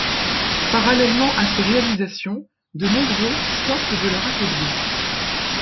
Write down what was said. Parallèlement à ces réalisations, de nombreux sortent de leur atelier.